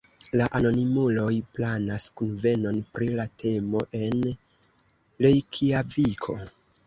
La anonimuloj planas kunvenon pri la temo en Rejkjaviko.